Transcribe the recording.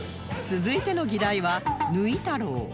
続いての議題はぬい太郎